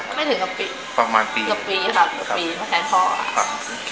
ไม่ถึงสักปีประมาณปีครับประมาณปีมาแทนพ่อค่ะครับ